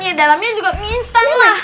ya dalamnya juga mie instan lah